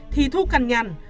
thì thu cằn nhằn